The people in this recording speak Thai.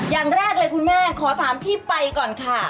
อย่างแรกเลยคุณแม่ขอถามที่ไปก่อนค่ะ